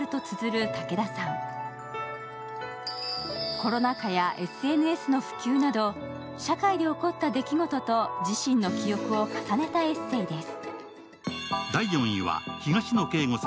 コロナ禍やＳＮＳの普及など社会で起こった出来事と自身の記憶を重ねたエッセーです。